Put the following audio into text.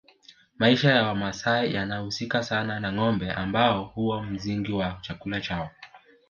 Maisha ya Wamasai yanahusika sana na ngombe ambao huwa msingi wa chakula chao